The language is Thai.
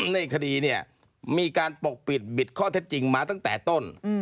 ในคดีเนี่ยมีการปกปิดบิดข้อเท็จจริงมาตั้งแต่ต้น